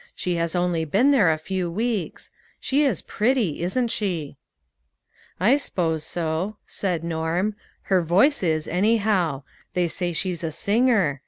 She has only been there a few weeks. She is pretty, isn't she ?"" I s'pose so," said Norm, " her voice is, any how. They say she's a singer.